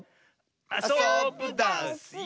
あそぶダスよ！